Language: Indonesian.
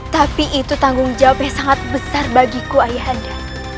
tapi itu tanggung jawab yang sangat besar bagiku ayah anda